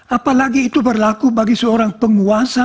apalagi itu berlaku bagi seorang penguasa